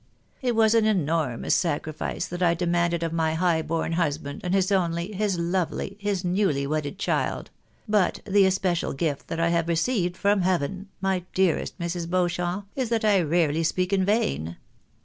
It was an enormous sacrifice that I demanded of my high born husband, and his only, his lovely, his newly wedded child; but the especial gift that I have received from Heaven, my dearest Mrs. Beauchamp, is that I rarely speak in vain.